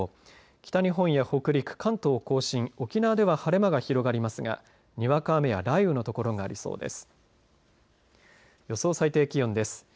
北日本や北陸、関東甲信沖縄では晴れ間が広がりますがにわか雨や雷雨のところがありそうです。